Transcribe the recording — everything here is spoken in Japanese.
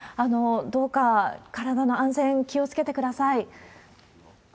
カオルさん、どうか体の安全、気をつけてください。